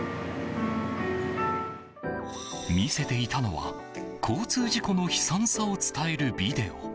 見せていたのは、交通事故の悲惨さを伝えるビデオ。